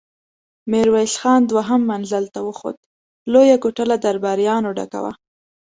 ميرويس خان دوهم منزل ته وخوت، لويه کوټه له درباريانو ډکه وه.